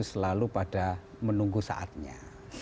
selalu pada menunggu saatnya